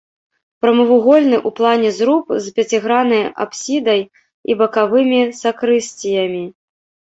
Прамавугольны ў плане зруб з пяціграннай апсідай і бакавымі сакрысціямі.